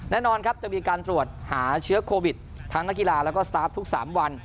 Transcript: แน่นอนครับจะมีการตรวจหาเชื้อโควิดทั้งนักกีฬาแล้วก็สตาร์ฟทุก๓วัน